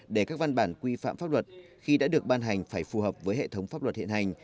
để các văn bản quy phạm pháp luật khi đã được ban hành phải phù hợp với hệ thống pháp luật hiện hành